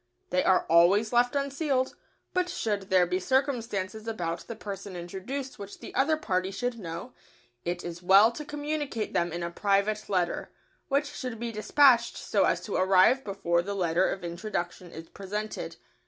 They are always left unsealed, but should there be circumstances about the person introduced which the other party should know, it is well to communicate them in a private letter, which should be despatched so as to arrive before the letter of introduction is presented.